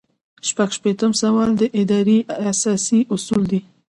شپږ شپیتم سوال د ادارې اساسي اصول دي.